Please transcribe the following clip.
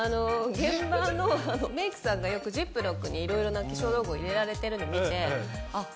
現場のメークさんがよくジップロックに色々な化粧道具を入れられてるの見てあっ